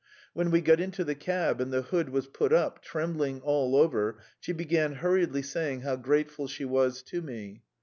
When we got into the cab and the hood was put up, trembling all over, she began hurriedly saying how grateful she was to me.